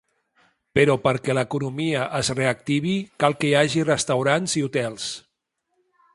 Però perquè l’economia es reactivi, cal que hi hagi restaurants i hotels.